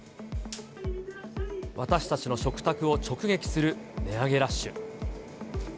私たちの食卓を直撃する値上げラッシュ。